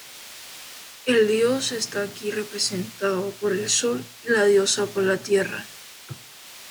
El Dios está aquí representado por el Sol y la Diosa por la Tierra.